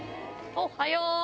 おはよう。